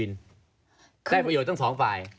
ได้ประโยชน์ทั้งสองฝ่าย